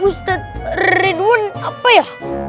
ustadz redwan apa ya